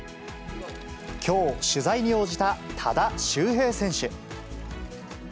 きょう、取材に応じた多田修平選手。